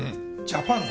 「ジャパン」！